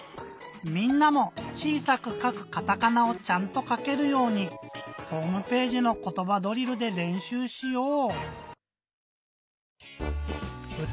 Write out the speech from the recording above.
みんなも「ちいさくかくカタカナ」をちゃんとかけるようにホームページの「ことばドリル」でれんしゅうしよう！